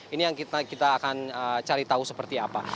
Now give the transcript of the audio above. ini yang kita akan cari tahu seperti apa